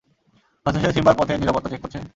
হয়ত সে সিম্বার পথের নিরাপত্তা চেক করছে?